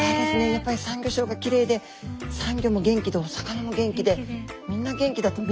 やっぱりサンギョ礁がきれいでサンギョも元気でお魚も元気でみんな元気だとみんな元気ですね